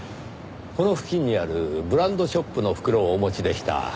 この付近にあるブランドショップの袋をお持ちでした。